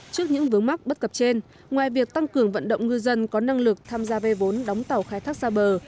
trước những vướng mắc bất cập trên ngoài việc tăng cường vận động ngư dân có năng lực tham gia vây vốn đóng tàu khai thác xa bờ